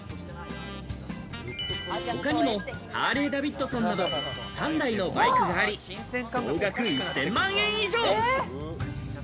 他にもハーレーダビッドソンなど３台のバイクがあり、総額１０００万円以上。